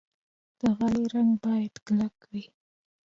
د غالۍ رنګ باید کلک وي.